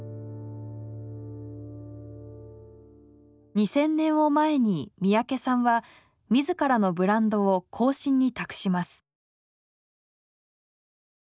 ２０００年を前に三宅さんは自らのブランドを後進に託します。